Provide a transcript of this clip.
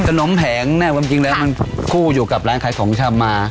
นมแผงเนี่ยความจริงแล้วมันคู่อยู่กับร้านขายของชำมา